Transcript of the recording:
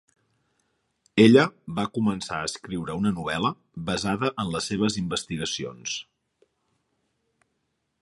Ella va començar a escriure una novel·la basada en les seves investigacions.